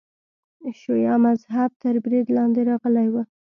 شیعه مذهب تر برید لاندې راغلی و.